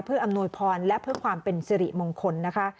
เพื่ออำนวยพรและเพื่อความเป็นสิริมงคลนะคะ